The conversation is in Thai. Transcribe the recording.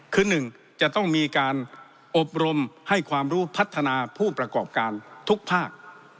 คือ๑จะต้องมีการอบรมให้ความรู้พัฒนาผู้ประกอบการทุกภาค